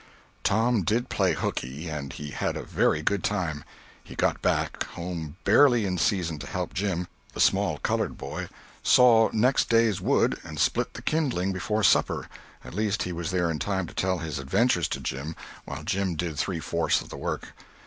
Tom did play hookey, and he had a very good time. He got back home barely in season to help Jim, the small colored boy, saw next day's wood and split the kindlings before supper—at least he was there in time to tell his adventures to Jim while Jim did three fourths of the work.